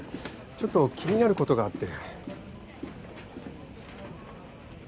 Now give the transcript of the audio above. ちょっと気になる事があって。